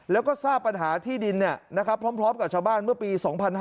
แล้วก็ทราบปัญหาที่ดินพร้อมกับชาวบ้านเมื่อปี๒๕๕๙